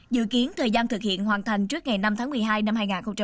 dự kiến thời gian thực hiện hoàn thành trước ngày năm tháng một mươi hai năm hai nghìn hai mươi